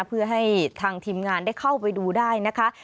เพื่อให้ทางทีมงานได้เข้าไปดูได้นะคะ